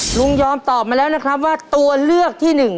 ยอมตอบมาแล้วนะครับว่าตัวเลือกที่หนึ่ง